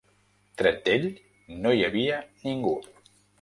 Tret d'ell, no hi havia ningú.